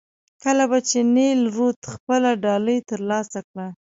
کله به چې نیل رود خپله ډالۍ ترلاسه کړه.